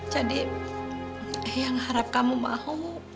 jadi eyang harap kamu mau